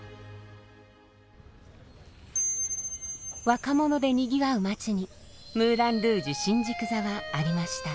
若者でにぎわう街にムーラン・ルージュ新宿座はありました。